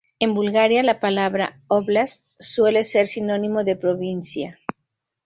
En Bulgaria la palabra óblast suele ser sinónimo de "provincia".